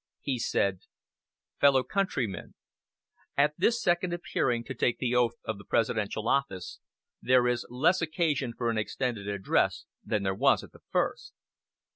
He said: "Fellow countrymen: At this second appearing to take the oath of the presidential office, there is less occasion for an extended address than there was at the first.